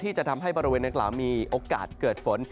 จะทำให้บริเวณดังกล่าวมีโอกาสเกิดฝน